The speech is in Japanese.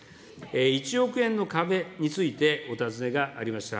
１億円の壁についてお尋ねがありました。